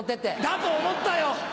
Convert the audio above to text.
だと思ったよ！